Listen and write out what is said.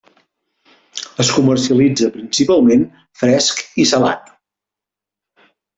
Es comercialitza principalment fresc i salat.